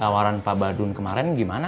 tawaran pak badun kemarin gimana